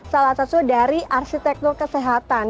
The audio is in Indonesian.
salah satu dari arsitektur kesehatan